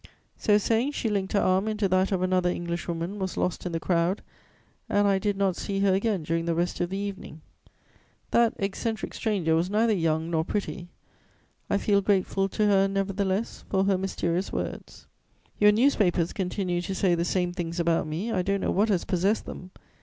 "So saying, she linked her arm into that of another Englishwoman, was lost in the crowd, and I did not see her again during the rest of the evening. That eccentric stranger was neither young nor pretty: I feel grateful to her, nevertheless, for her mysterious words. "Your newspapers continue to say the same things about me. I don't know what has possessed them.